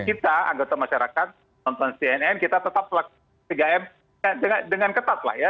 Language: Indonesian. kita anggota masyarakat nonton cnn kita tetap lakukan tiga m dengan ketat lah ya